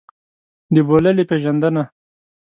د بوللې پېژندنه.